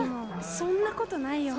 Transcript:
そんなことないよね